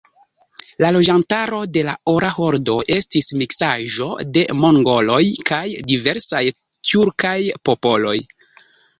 La loĝantaro de la Ora Hordo estis miksaĵo de mongoloj kaj diversaj tjurkaj popoloj.